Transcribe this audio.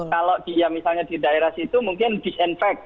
kalau dia misalnya di daerah situ mungkin disinfek